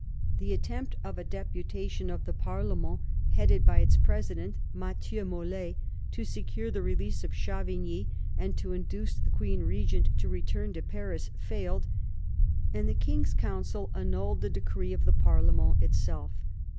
The attempt of a deputation of the pa/rlement, headed by its president, Matthieu Mol^, to secure the release of Chavigny and to induce the queen regent to return to Paris, failed, and the King's Council annulled the decree of the parlement itself.